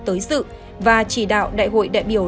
tới sự và chỉ đạo đại hội đại biểu